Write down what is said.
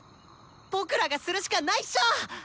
僕らがするしかないっしょ！